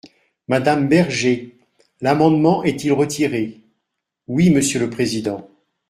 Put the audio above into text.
Madame Berger, l’amendement est-il retiré ? Oui, monsieur le président.